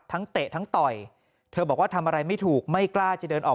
เตะทั้งต่อยเธอบอกว่าทำอะไรไม่ถูกไม่กล้าจะเดินออก